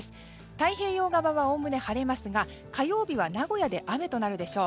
太平洋側はおおむね晴れますが火曜日は名古屋で雨となるでしょう。